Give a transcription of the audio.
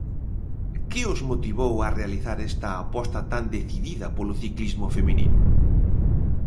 Que os motivou a realizar esta aposta tan decidida polo ciclismo feminino?